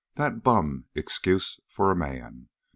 That bum excuse for a man!